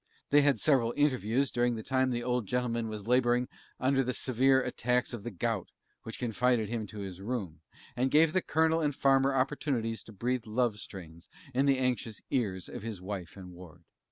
They had several interviews during the time the old gentleman was labouring under severe attacks of the gout, which confined him to his room, and gave the Colonel and Farmer opportunities to breathe love strains in the anxious ears of his Wife and Ward.